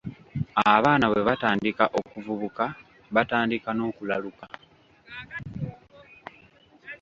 Abaana bwe batandika okuvubuka, batandika n'okulaluka.